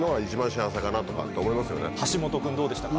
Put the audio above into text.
橋本君どうでしたか？